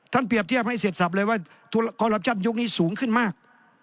ท่านเปรียบเทียบให้เสร็จสับเลยว่ากรรมชาติยุคนี้สูงขึ้นมาก